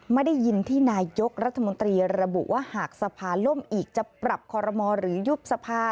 ไม่ได้ยินที่นายกรัฐมนตรีระบุว่าหากสภาล่มอีกจะปรับคอรมอหรือยุบสภา